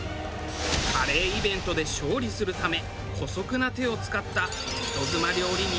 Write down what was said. カレーイベントで勝利するため姑息な手を使った人妻料理人